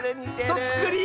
そつくり！